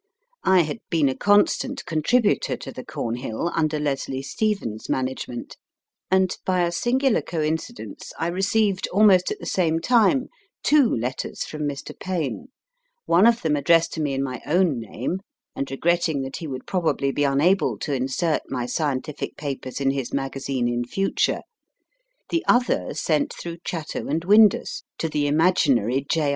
I had been a constant contributor to the CornJiill under Leslie Stephen s man agement, and by a singular coincidence I received almost at the same time two letters from Mr. Payn, one of them addressed to me in my own name, and regretting that he would probably be unable to insert my scientific papers in his magazine in future ; the other, sent through Chatto & Windus to the imagi nary J.